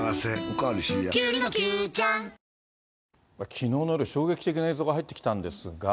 きのうの夜、衝撃的な映像が入ってきたんですが。